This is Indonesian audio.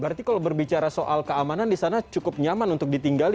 berarti kalau berbicara soal keamanan di sana cukup nyaman untuk ditinggali